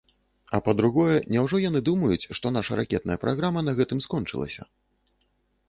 А па-другое, няўжо яны думаюць, што наша ракетная праграма на гэтым скончылася?